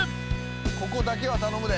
ここだけは頼むで。